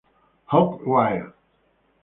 Hog Wild